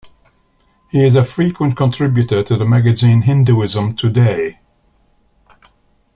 He is a frequent contributor to the magazine "Hinduism Today".